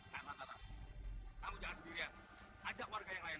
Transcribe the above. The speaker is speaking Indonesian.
nah maka kang kamu jangan sendirian ajak warga yang lain